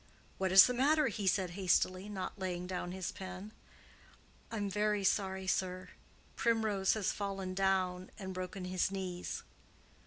"What is the matter?" he said hastily, not laying down his pen. "I'm very sorry, sir; Primrose has fallen down and broken his knees."